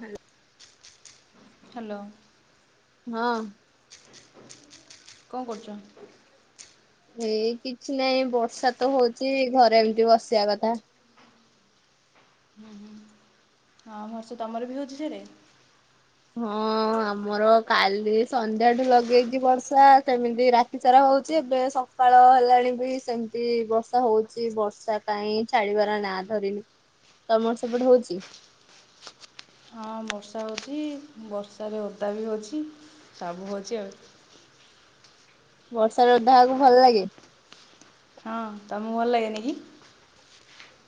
Hello. Hello. ହଁ। କଣ କରୁଛ? ଏଇ କିଛି ନାଇଁ ବର୍ଷା ତ ହଉଛି ଘରେ ଏମିତି ବସିବା କଥା। ହୁଁ ହୁଁ। ହଁ ବର୍ଷା ତମର ବି ହଉଛି ସେଆଡ଼େ? ହଁ ଆମର କାଲି ସନ୍ଧ୍ୟାଠୁ ଲଗେଇଛି ବର୍ଷା ସେମିତି ରାତି ରାତିସାରା ହଉଛି ଏବେ ସକାଳ ହେଲାଣି ବି ସେମିତି ବର୍ଷା ହଉଛି ବର୍ଷା। କାଇଁ ଛାଡିବାର ନାଁ ଧରିନି। ତମର ସେପଟରେ ହଉଛି? ହଁ ବର୍ଷା ହଉଚି ବର୍ଷାରେ ଓଦା ବି ହେଉଛି ସବୁ ହଉଛି ଆଉ। ବର୍ଷାରେ ଓଦା ହେବାକୁ ଭଲ ଲାଗେ? ହଁ ତମକୁ ଭଲ ଲାଗେନି କି?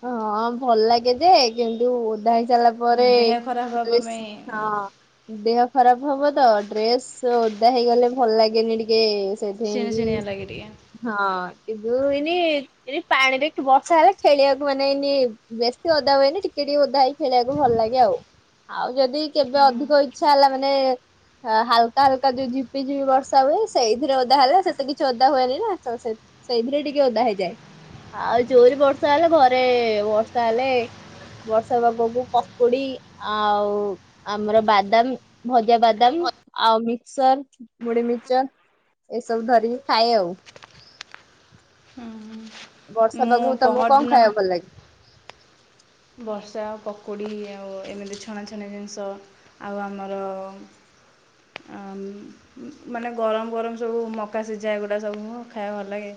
ହଁ ଭଲ ଲାଗେ ଯେ କିନ୍ତୁ ଓଦା ହେଇସାରିଲା ପରେ ଦେହ ଖରାପ ହେବା ଘରେ ବେଶୀ ପାଇଁ ହଁ। ଦେହ ଖରାପ ହବ ତ ଡ୍ରେସ ଓଦା ହେଇଗଲେ ଭଲ ଲାଗେନି ଟିକେ। ସେଥିପାଇଁ ଶୁଣି କି ଶୁଣିଆ ଲାଗେ ଟିକେ ହଁ କିନ୍ତୁ ଏଇନି ଏନ ପାଣିରେ ବର୍ଷା ହେଲା ଖେଳିବାକୁ। ମାନେ ଏଇ ବେଶୀ ଓଦା ହୁଏନି ଟିକେ ଟିକେ ଓଦା ହେଇ ଖେଳିବାକୁ ଭଲ ଲାଗେ ଆଉ। ଆଉ ଯଦି କେବେ ହୁଁ ଅଧିକ ଇଚ୍ଛା ହେଲା ମାନେ ହ ହାଲକା ହାଲକା ଯୋଉ ଝିପିଝିପି ବର୍ଷା ହୁଏ ସେଇଥିରେ ଓଦା ହେଲା ସେତେ କିଛି ଓଦା ହୁଏନି ନା। ସେଇଥିରେ ଟିକେ ଅଦା ହେଇଯାଏ। ଆଉ ଜୋରରେ ବର୍ଷା ହେଲେ ଘରେ ବର୍ଷା ହେଲେ ବର୍ଷା ପାଗକୁ ପକୁଡ଼ି ଆଉ ଆମର ବାଦାମ ଭଜା ବାଦାମ ଆଉ ମିକ୍ସଚର ମୁଢ଼ି ମିକ୍ସଚର। ଏସବୁ ଧରିକି ଖାଏ ଆଉ। ହୁଁ ବର୍ଷା ମୁଁ ପାଗକୁ ତମକୁ ପହର କଣ ଦିନ ଖାଇବାକୁ ଭଲ ଲାଗେ? ବର୍ଷା ପକୁଡ଼ି ଆଉ ଏମିତି ଛଣା ଛଣି ଜିନିଷ ଆଉ ଆମର ଆଁ ମାନେ ଗରମ ଗରମ ସବୁ ମକା ସିଝା ଏଗୁଡ଼ା ସବୁ ମୁଁ ଖାଇବାକୁ ଭଲ ଲାଗେ।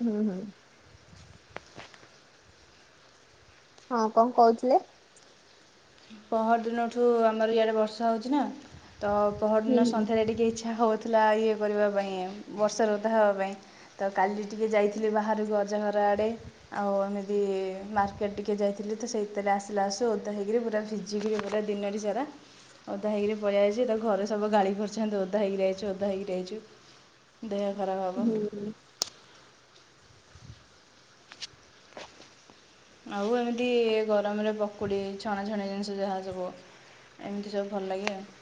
ହୁଁ ହୁଁ। ହଁ କଣ କହୁଥିଲେ? ପହର ଦିନଠୁ ଆମର ଇଆଡ଼େ ବର୍ଷା ହେଉଛି ନା ତ ହୁଁ ପହରଦିନ ସନ୍ଧ୍ୟାରେ ଟିକେ ଇଚ୍ଛା ହଉଥିଲା ଇଏ କରିବା ପାଇଁ ବର୍ଷା ଓଦା ହେବା ପାଇଁ। ତ କାଲି ଟିକେ ଯାଇଥିଲି ବାହାରକୁ ଅଜାଘର ଆଡ଼େ। ଆଉ ଆମେ ବି ମାର୍କେଟ ଟିକେ ଯାଇଥିଲି ତ ସେଇଥିରେ ଆସିଲା ଆସୁ ଓଦା ହେଇକରି ପୁରା ଭିଜିଗଲି ପୁରା ଦିନରେ ସାରା। ଓଦା ହେଇକି ପଳେଇ ଆଇଛି ତା ଘରେ ସବୁ ଗାଳି କରୁଛନ୍ତି ଓଦା ହେଇକରି ଆଇଛୁ ଓଦା ହେଇକରି ଆଇଛୁ। ଦେହ ଖରାପ ହେବ। ହୁଁ। ଆଉ ଏମିତି ଗରମରେ ପକୁଡ଼ି ଛଣା ଛଣି ଜିନିଷ ଯାହା ସବୁ ଏମିତି ସବୁ ଭଲ ଲାଗେ ଆଉ।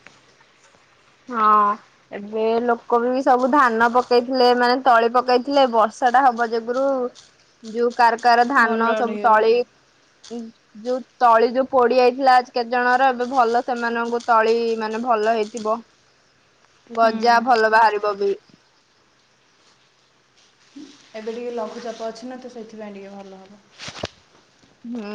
ହଁ ଏବେ ଲୋକ ବି ସବୁ ଧାନ ପକେଇଥିଲେ ମାନେ ତଳି ପକେଇଥିଲେ ବର୍ଷା ବର୍ଷାଟା ହବ ଯୋଗୁରୁ ଯୋଉ କାର କାର ଧାନ ଭଲ ସବୁ ଟିକେ ତଳି ଯୋଉ ତଳି ଯୋଉ ପୋଡ଼ି ଯାଇଥିଲା ଆ କେତେ ଜଣର ଏବେ ଭଲ ସେମାନଙ୍କୁ ତଳି ମାନେ ଭଲ ହେଇଥିବ। ଗଜା ହୁଁ ଭଲ ବାହାରିବ ବି। ଏବେ ଟିକେ ଲଘୁଚାପ ଅଛି ନା ତ ସେଇଥିପାଇଁ ଟିକେ ଭଲ ହେବ। ହୁଁ।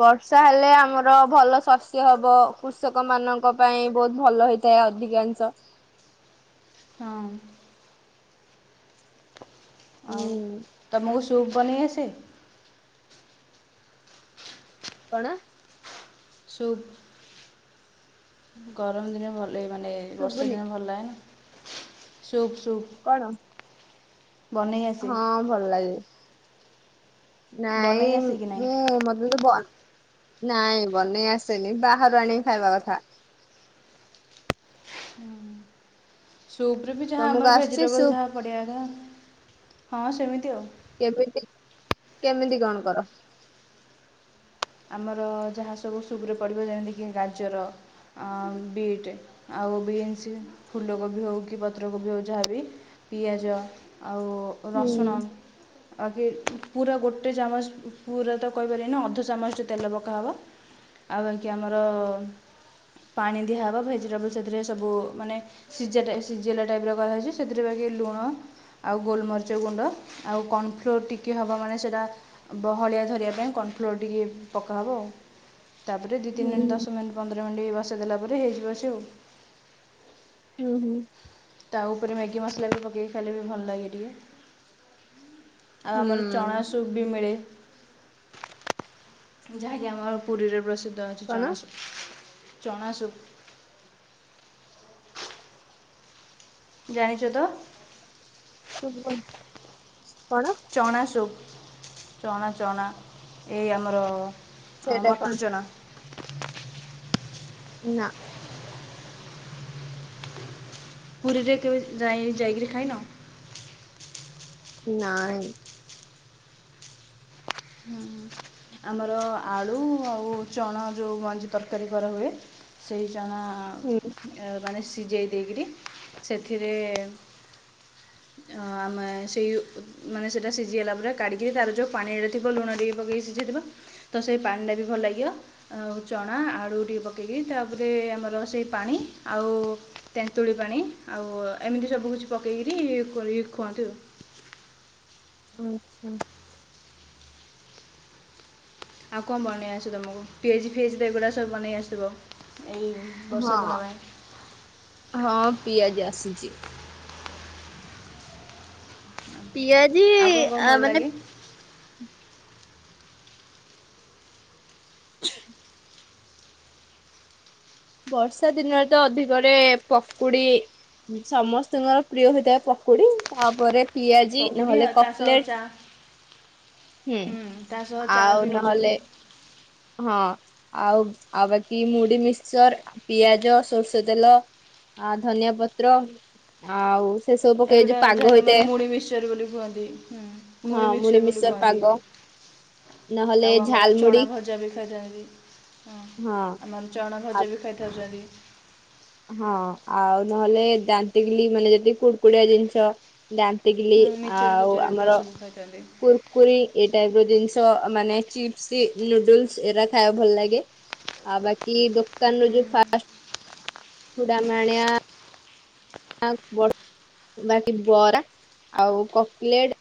ବର୍ଷା ହେଲେ ଆମର ଭଲ ଶସ୍ୟ ହବ କୃଷକ ମାନଙ୍କ ପାଇଁ ବହୁତ ଭଲ ହେ ଅଧିକାଂଶ। ହଁ। ହୁଁ ଆଉ ତମକୁ ସୁପ୍ ବନେଇ ଆସେ। କଣ? ସୁପ୍। ଗରମ ଦିନ ଭଲ ମାନେ ବର୍ଷା ଶୁଭୁନି ଦିନ ଭଲ ଲାଗେନା ସୁପ୍ ସୁପ୍। କଣ? ବନେଇ ଆସେ ହଁ ଭଲ ଲାଗେ। ବନେଇ ନାଇଁ ଆସେ କି ନାହିଁ ମୁଁ ମତେ ତ ନାଇଁ ବନେଇ ଆସେନି ବାହାରୁ ଆଣିକି ଖାଇବା କଥା। ହୁଁ। ସୁପରେ ବି ଯାହା ତମକୁ ଆମର ଆସୁଛି ଭେଜିଟେବଲ ସୁପ୍ ଯାହା ପଡିବା କଥା ହଁ ସେମିତି ଆଉ। କେମିତି କେମିତି କଣ କର? ଆମର ଯାହା ସବୁ ସୁପ୍ ରେ ପଡିବ ଯେମିତି କି ଗାଜର ଆ ବିଟ୍ ଆଉ ବିନ୍ସ ଫୁଲକୋବି ହୋଉ କି ପତ୍ର କୋବି ହୋଉ ଯାହାବି ପିଆଜ ଆଉ ହୁଁ ରସୁଣ ଆଗେ ପୁରା ଗୋଟେ ଚାମଚ ପୁରା ତ କହିପାରିବାନି ଅଧ ଚାମ ଚ ତେଲ ପକା ହବ ଆଉ ବାକି ଆମର ପାଣି ଦିଆ ହେବ ଭେଜିଟେବଲ ସେଥିରେ ସବୁ ମାନେ ସିଜା ଟାଇ ସିଜେଇଲା ଟାଇପ କରା ହେଇଚି ସେଥିରେ ବାକି ଲୁଣ ଆଉ ଗୋଲମରିଚ ଗୁଣ୍ଡ ଆଉ କର୍ଣ୍ଣଫ୍ଲୋର ଟିକିଏ ହବ ମାନେ ସେଟା ଆ ବହଳିଆ ଧରିବା ପାଇଁ କନଫ୍ଲୋର ଟିକେ ପକା ହବ ଆଉ ତାପରେ ଦିଇ ତିନି ହୁଁ ଦଶ ମିନିଟ୍ ପନ୍ଦର ମିନିଟ୍ ବସେଇ ଦେଲା ପରେ ଇଏ ହେଇଯିବ ସେ ଆଉ। ହୁଁ ହୁଁ। ତା ଉପରେ ମ୍ୟାଗି ମସଲା ଟିକେ ପକେଇକି ଖାଇଲେ ବି ଭଲ ଲାଗେ ଟିକେ। ଆଉ ହୁଁ ଆମର ଚଣା ସୁପ୍ ବି ମିଳେ। ଯାହାକି ଆମର ପୁରିରେ ପ୍ରସିଦ୍ଧ ଅଛି କଣ? ଚଣାସୁପ୍ ଚଣାସୁପ୍। ଜାଣିଚ ତ। ଶବୁନି କଣ ଚଣା ସୁପ୍ ଚଣା ଚଣା ଏଇ ଆମର ଅଁ ସେଇଟା ମଟର କଣ ଚଣା। ନାଁ। ପୁରିରେ କେବେ ଯାଇ-ଯାଇକିରି ଖାଇନ? ନାଇଁ। ଆମର ଆଳୁ ଆଉ ଚଣ ଯୋଉ ମଞ୍ଜି ତରକାରୀ କରା ହୁଏ। ସେଇ ଚଣା ହୁଁ। ମାନେ ସିଜେଇ ଦେଇକିରି ସେଥିରେ ଆମେ ସେଇ ମାନେ ସେଟା ସିଜିଗଲା ପରେ କାଢିକିରି ତାର ଯୋଉ ପାଣି ଥିବ ଲୁଣ ଟିକେ ପକେଇକି ସିଝେଇଥିବ ତ ସେଇ ପାଣିଟା ବି ଭଲ ଲାଗିବ। ଆଉ ଚଣା ଆଳୁ ଟିକେ ପକେଇକି ତାପରେ ଆମର ରୋଷେଇ ପାଣି ଆଉ ତେନ୍ତୁଳି ପାଣି ଆଉ ଏମିତି ସବୁ କିଛି ପକେଇକିରି ଖୁଅନ୍ତି ଖୁଆନ୍ତି ଆଉ। ଆଚ୍ଛା। ଆଉ କଣ ବନେଇ ଆସେ ତମକୁ ପିଆଜି ଫିଆଜି ଏଗୁରା ସବୁ ବନେଇ ଆସିବ। ଏଇ ବର୍ଷା ହଁ ଦିନ ପାଇଁ ହଁ ପିଆଜି ଆସୁଚି। ପିଆ ଆଉ କଣ କଣ ଭଲ ଲାଗେ? [unintelligible] ବର୍ଷା ଦିନରେ ତ ଅଧିକରେ ପକୁଡି ସମସ୍ତଙ୍କର ପ୍ରିୟ ହୋଇଥାଏ ପକୁଡି ତାପରେ ପିଆଜି ପକୁଡ଼ି ନହେଲେ ଆଉ ତା କକ୍ ସହ ଲେଟ୍। ଚା' ହୁଁ ତା ସହ ଚା' ବି ଆଉ ନହଲେ। ନେଉଛନ୍ତି ହଁ ଆଉ ଆଉ ବାକି ମୁଢ଼ି ମିକ୍ସଚର ପିଆଜ ସୋରିଷ ତେଲ। ଆ ଧନିଆ ପତ୍ର ଆଉ। ସେ ସବୁ ପକେଇ ଏଇଗୁଟା ଯୋଉ ପାଗ ଝାୟା ମାନେ ହେଇଥାଏ ମୁଢ଼ି ମିକ୍ସଚର ବୋଲି କୁହନ୍ତିୁ ହୁଁ ହଁ ମୁଢ଼ି ମୁଢି ମିକ୍ସଚର ବୋଲି କୁହନ୍ତି। ପାଗ ନହେଲେ ଆଉ ଆମର ଚଣା ଝାଲମୁଢି ଭଜା ବି ଖାଇଥାନ୍ତି। ହଁ ଆମର ଚଣା ଆ ଭଜା ବି ଖାଇଥାଉଛନ୍ତି। ହଁ ଆଉ ନହଲେ ଦାନ୍ତିକିଲି ମାନେ ଯେତେ କୁଡକୁଡିଆ ଜିନିଷ। ଦାନ୍ତିକିଲି ମିକ୍ସଚର୍ ଆଉ ଫିକ୍ସଚର୍ ଏଗୁଡ଼ା ଆମର ସବୁ ଖାଇଥାନ୍ତି କୁର୍ କୁରି ଏ ଟାଇପ ର ଜିନିଷ ମାନେ ଚିପ୍ସ ନୁଡୁଲସ ଏରା ଖାଇବାକୁ ଭଲ ଲାଗେ। ଆଉ ବାକି ଦୋକାନରୁ ଯୋଉ ଫାଷ୍ଟ ଫୁଡ ଆମେ ଆଣିବା। ଆଉ ବଡ ବାକି ବରା ଆଉ କକଲେଡ୍।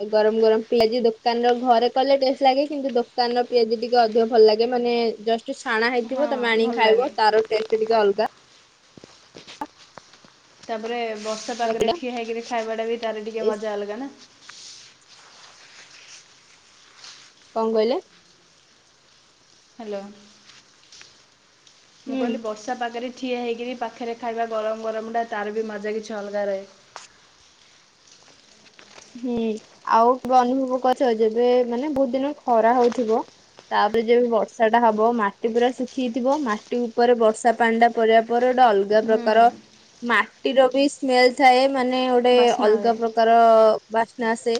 ଆଉ ଗରମ ଗରମ ପିଆଜି ଦୋକାନର ଘରେ କଲେ ଟେଷ୍ଟ ଲାଗେ କିନ୍ତୁ ଦୋକାନ ର ପିଆଜି ଟି ଟିକେ ଅଧିକ ଭଲ ଲାଗେ ମାନେ ଜଷ୍ଟ ଛାଣା ହଁ ହେଇଥିବ ତମେ ଭଲ ଆଣିକି ଖାଇବ ଲାଗେ ତାର ଟେଷ୍ଟେ ଟିକେ ଅଲଗା। ତାପରେ ବର୍ଷା ପାଗରେ ବାକିଟା ଠିଆ ହେଇକିରି ଖାଇବା ଟା ବି ତାର ଟିକେ ମଜା ଅଲଗା ନା। କଣ କହିଲେ? ହାଲୋ। ମୁ ହୁଁ। କହିଲି ବ ର୍ଷା ପାଗରେ ଠିଆ ହେଇକି ବି ପାଖେରେ ଖାଇବା ଗରମ ଗରମ ଟା ତାର ବି ମଜା କିଛି ଅଲଗା ରହେ। ହୁଁ ଆଉ କେବେ ଅନୁଭବ କରିଛ ଯେବେ ମାନେ ବହୁତ ଦିନ ଖରା ହଉଥିବ। ତାପରେ ଯେବେ ବର୍ଷା ଟା ହବ ମାଟି ପୁରା ଶୁଖିକିଥିବ ମାଟି ଉପରେ ବର୍ଷା ପାଣି ଟା। ପଡିବା ପରେ ଗୋଟେ ଅଲଗା ହୁଁ, ପ୍ରକାର ମାଟିର ବି। ସ୍ମେଲ୍ ଥାଏ ମାନେ ଗୋଟେ ବାସ୍ନା ଅଲଗା ହୁଏ ପ୍ରକାର। ବାସ୍ନା ଆସେ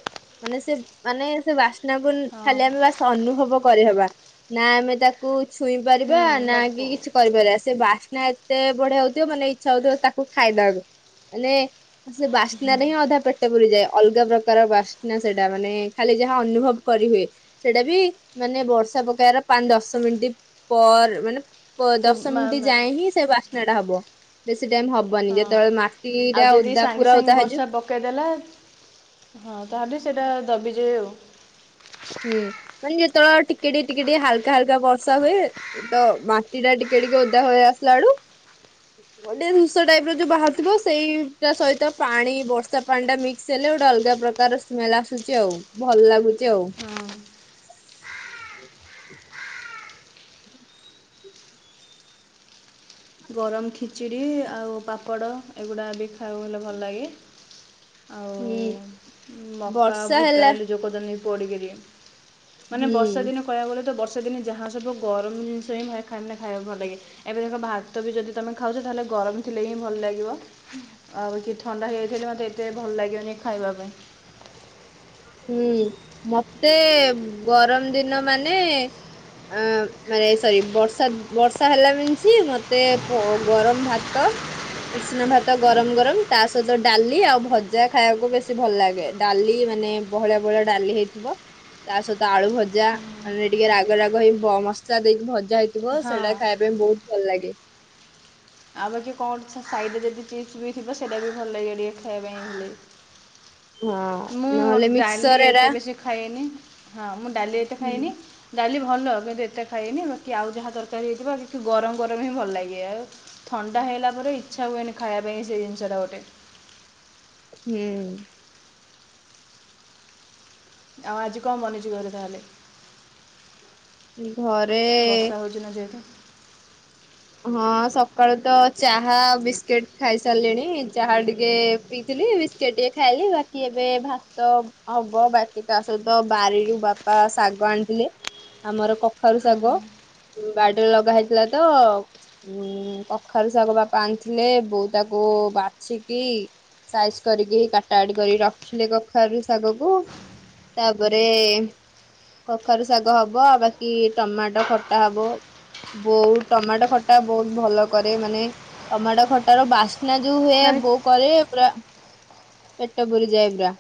ମାନେ ସେ ମାନେ ସେ ବାସ୍ନାକୁୁ ଖାଲି ଆମେ ବା ସ୍ନା ଅନୁଭବ କରିହବା ନା ଆମେ ତା କୁ ଛୁଇଁ ହଁ ପାରିବା ନା କି ଡାକୁ କିଛି କରିପାରିବା ସେ ବାସ୍ନା ଏ ତେ ବଢିଆ ହଉଥିବ ମାନେ ଇଛା ହଉଥିବ ତାକୁ ଖାଇଦବାକୁ ମାନେ ସେ ବାସ୍ନାରେ ହିଁ ଅଧା ପେ ଟ ପୁରି ଯାଏ ଅଲଗା ପ୍ରକାର ବାସ୍ନା ସେଇଟା ମାନେ ଖାଲି ଯାହା ଅନୁଭବ କରିହୁଏ। ସେଇଟା ବି ମାନେ ବର୍ଷା ପକାଇବାର ପାଞ୍ଚ ଦଶ ମିଣ୍ଟି ପର ମାନେ। ପ ଦଶ ମିଣ୍ଟି ଯାଏଁ ହିଁ ସେ ବାସ୍ନା ଟା ହବ ବେଶୀ ଟାଇମ ହବ ବନି ହଁ ଯେତବଳେ ମାଟି ଟା ଓଦା ପୁରା ଓଦା ହେଇଯିବ। କେଇଦେଲେ ହଁ ତାହେଲେ ସେଇଟା ଦବି ଯାଏ ଆଉ। ହୁଁ ମାନେ ଯେତେବଳେ ଆଉ ଟିକେ ଟିକେ ଟିକେ ଟିକେ ହାଲକା ହାଲକା ବର୍ଷା ହୁଏ। ତ ମାଟି ଟା ଟିକେ ଟିକେ ଓଦା ହୋଇ ଆସିଲା ବଳୁ। ଗୋଟେ ଜିନଷ ଟାଇପ ର ଯୋଉ ବାହାରୁଥିବ ସେଇଟା ସହିତ ପାଣି ବର୍ଷା ପାଣିଟା ମିକ୍ସ ହେଲେ ଗୋଟେ ଅଲଗା ପ୍ରକାର। ସ୍ମେଲ ଆସୁଚି ଆଉ ଭଲ ଲାଗୁଚି ଆଉ। ହଁ ଗରମ ଖିଚୁଡ଼ି ଆଉ ପାପଡ଼ ଏଗୁଡ଼ା ବି ଖାଇବାକୁ ହେଲେ ଭଲ ଲାଗେ। ହୁଁ ଆଉ ମକା ବର୍ଷା ହେଲା ଭୁଟାଲୁ ଯୋଉ କହୁଚନ୍ତି। [unintelligible] ମାନେ ହୁଁ ବର୍ଷା ଦିନ। କହିବାକୁ ଗଲେ ତ ବର୍ଷା ଦିନେ ଯାହା ସବୁ ଗରମ ଜିନଷ ହିଁ ଭା ଖା ମାନେ ଖାଇବାକୁ ଭଲ ଲାଗେ ଏବେ ଦେଖ ଭା ତ ବି ଯଦି ତମେ ଖାଉଛ ତାହେଲେ ଗରମ ଥିଲେ ହିଁ ଭଲ ଲାଗିବ। ଆଉ କି ଥଣ୍ଡା ହେଇଯାଇଥିଲେ ମତେ ଏତେ ଭଲ ଲାଗେନି ଖାଇବା ପାଇଁ। ହୁଁ ମତେ ଗରମ ଦିନ ମାନେ। ଅଁ ମାନେ ସରି ବର୍ଷା ବର୍ଷା ହେଲା ମିନ୍ସ ମତେ କ ଗରମ ଭାତ। ଉସୁନା ଭାତ ଗରମ ଗରମ ତା ସହିତ ଡାଲି ଆଉ ଭଜା ଖାଇବାକୁ ବେଶୀ ଭଲ ଲାଗେ ଡାଲି ମାନେ। ବହଳିଆ ବହଳିଆ ଡାଲି ହେଇଥିବ। ତା ସହିତ ଆଳୁ ଭଜା। ମାନେ ଟିକେ ରାଗ ରାଗ ହେଇ ମସଲା ଦେଇକି ଭଜା ହେଇ ଥିବ ସେଟା ହଁ ଖାଇବା ପାଇଁ ବହୁତ ଭଲ ଲାଗେ। ଆଉ ବାକି କଣ ସାଇଡ଼େ ଯଦି ଚିପ୍ସ ବି ଥିବ ସେଇଟା ବି ଭଲ ଲାଗେ ଟିକେ ଖାଇବା ପାଇଁ ହେଲେ। ହଁ ମୁଁ ନହେଲେ ଡାଲି ମିକ୍ସଚର ଏରା ଏତେ ବେଶୀ ଖାଇନି। ହଁ ମୁଁ ଡାଲି ଏତେ ହୁଁ ଖାଏନି। ଡାଲି ଭଲ କିନ୍ତୁ ଏତେ ଖାଇଏନି ବାକି ଆଉ ଯାହା ତରକାରୀ ହେଇଥିବ କିଛି ଗରମ ଗରମ ହିଁ ଭଲ ଲାଗେ। ଆଉ ଥଣ୍ଡା ହେଇଗଲା ପରେ ଇଚ୍ଛା ହୁଏନି ଖାଇବା ପାଇଁ ସେ ଜିନିଷଟା ଗୋଟେ। ହୁଁ। ଆଉ ଆଜି କଣ ବନିଚି ଘରେ ତାହେଲେ? ଘରେ ବର୍ଷା ହଉଛି ନା ସେଇଠି? ହଁ ସକାଳୁ ତ ଚାହା ବିସ୍କୁିଟ ଖାଇ ସାରିଲିଣି, ଚାହା ଟିକେ ପିଇଥିଲି। ବି ସ୍କିଟ୍ ଟିକେ ଟିକେ ଖାଇଲି। ବାକି ଏବେ ଭାତ ହବ ବାକି ତା ସହିତ ବାରିରୁ ବାପା ଶାଗ ଆଣିଥିଲେ। ଆମର କଖାରୁ ଶାଗ ବାଡିରେ ଲଗା ହେଇଥିଲା ତ ଉଁ କଖାରୁ ଶାଗ ବାପା ଆଣିଥିଲେ ବୋଉ ତାକୁ ବାଛିକି ସାଇଜ କରିକି କାଟା କାଟି କରିକି ରଖିଲେ କଖାରୁ ଶାଗକୁ। ତାପରେ କଖାରୁ ଶାଗ ହବ। ଆଉ ବାକି ଟମାଟୋ ଖଟା ହବ। ବୋଉ ଟମାଟୋ ଖଟ [unintelligible] ଖଟା ବହୁତ ଭଲ କରେ ମାନେ ଟମାଟୋ ଖଟାର ବାସ୍ନା ଯୋଉ ହୁଏ ବହୁ ମାନେ କରେ ପୁରା ପେଟ ପୁରିଯାଏ ପୁରା।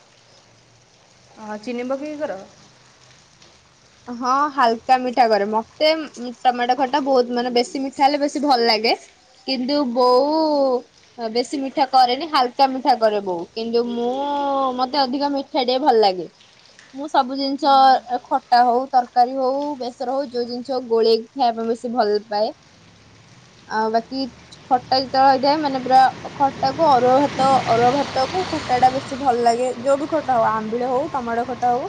ଅଁ ଚିନି ପକେଇ କର? ହଁ ହାଲକା ମିଠା କରେ। ମତେ ଟମାଟୋ ଖଟା ବହୁତ ମାନେ ବେଶୀ ମିଠା ହେଲେ ବେଶୀ ଭଲ ଲାଗେ। କିନ୍ତୁ ବୋଉ ବେଶୀ ମିଠା କରେନି ହାଲକା ମିଠା କରେ ବୋଉ। କିନ୍ତୁ ମୁଁ ମତେ ଅଧିକ ମି ମିଠା ଟିକେ ଭଲ ଲାଗେ। ମୁଁ ସବୁ ଜିନିଷ ଖ ଖଟା ହଉ ତରକାରୀ ହଉ ବେସର ହଉ ଯୋଉ ଜିନିଷ ହଉ ଗୋଳେଇକି ଖାଇବା ପାଇଁ ବେଶୀ ଭଲ ପାଏ। ଆଉ ବାକି ଖଟା ଯେତେବେଳେ ହେଇଥାଏ ମାନେ ପୁରା ଖଟାକୁ ଅରୁଆ ଭାତ ଅରୁଆ ଭାତକୁ ଖ ଖଟା ଟା ବେଶୀ ଭଲ ଲାଗେ। ଯୋଉ ବି ଖଟା ହଉ ଆମ୍ବିଳ ହଉ ଟମାଟୋ ଖଟା ହଉ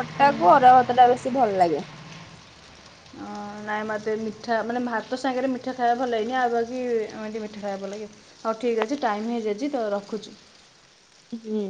ଖଟା କର କୁ ଅରୁଆ ଭାତ ଟା ବେଶୀ ଭଲ ଲାଗେ। ନାଇ ମତେ ଏମିତି ମିଠା ମାନେ ଭାତ ସାଙ୍ଗରେ ମିଠା ଖାଇବା ଭଲ ଲାଗେନି। ଆଉ ବାକି ଏମିତି ମିଠା ଖାଇବା ଲାଗେ। ହଉ ଠିକ୍ ଅଛି ଟାଇମ ହେଇଯାଇଛି ତ ରଖୁଚି। ହୁଁ।